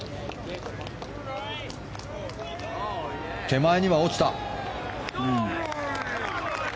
手前には落ちた。